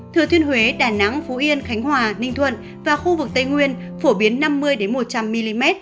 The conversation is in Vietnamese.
thừa thiên huế đà nẵng phú yên khánh hòa ninh thuận và khu vực tây nguyên phổ biến năm mươi một trăm linh mm